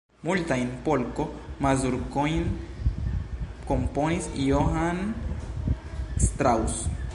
Multajn polko-mazurkojn komponis Johann Strauss.